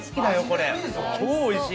超おいしい！